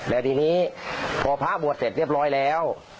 แล้วทีนี้พอพระบวชเสร็จเรียบร้อยแล้ว